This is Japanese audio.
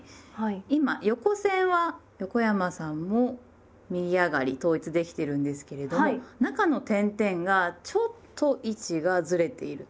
今横線は横山さんも右上がり統一できてるんですけれども中の点々がちょっと位置がずれていると。